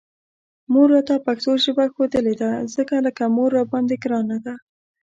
مور راته پښتو ژبه ښودلې ده، ځکه لکه مور راباندې ګرانه ده